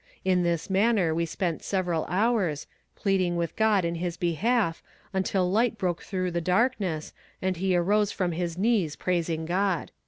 In this manner we spent several hours, pleading with God in his behalf, until light broke through the darkness, and he arose from his knees praising God."